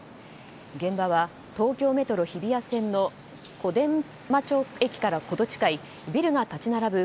現場は、東京メトロ日比谷線の小伝馬町駅から程近いビルが立ち並ぶ